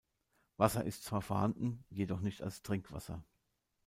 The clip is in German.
Wasser ist zwar vorhanden, jedoch nicht als Trinkwasser.